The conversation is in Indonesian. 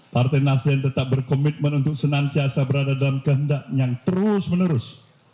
partai nasdeh yang tetap berkomitmen untuk senang siasa berada dalam kehendak yang terus menerus